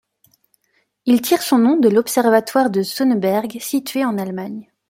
Il tire son nom de l'observatoire de Sonneberg situé en Allemagne.